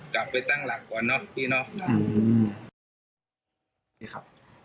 กลับไปตั้งหลักก่อนเนอะพี่เนาะ